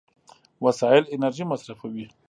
وسایل انرژي مصرفوي.